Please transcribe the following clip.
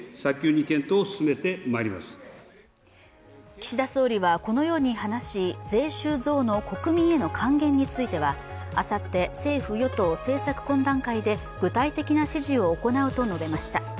岸田総理はこのように話し、税収増の国民への還元についてはあさって政府・与党政策懇談会で具体的な指示を行うと述べました。